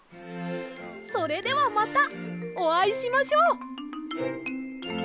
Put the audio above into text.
それではまたおあいしましょう！